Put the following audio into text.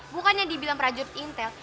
bukannya dibilang prajurit intel